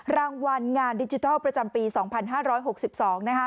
รางวัลงานดิจิทัลประจำปี๒๕๖๒นะคะ